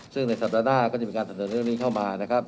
ซึ่งในสัปดาห์หน้าก็จะมีการเสนอเรื่องนี้เข้ามานะครับ